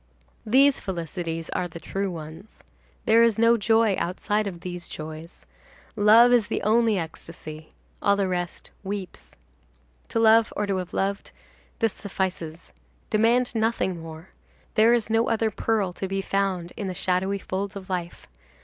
These felicities are the true ones. There is no joy outside of these joys. Love is the only ecstasy. All the rest weeps. To love, or to have loved,—this suffices. Demand nothing more. There is no other pearl to be found in the shadowy folds of life.